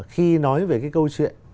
khi nói về cái câu chuyện